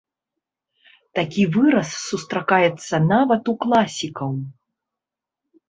Такі выраз сустракаецца нават у класікаў.